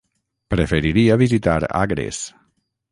Preferiria visitar Agres.